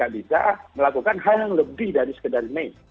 kita harus melakukan hal yang lebih dari sekedar main